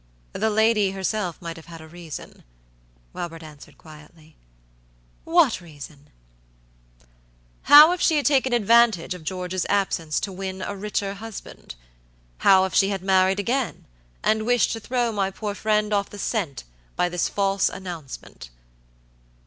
"The lady herself might have had a reason," Robert answered, quietly. "What reason?" "How if she had taken advantage of George's absence to win a richer husband? How if she had married again, and wished to throw my poor friend off the scent by this false announcement?"